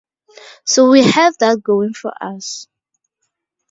So we have that going for us.